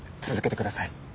続けてください。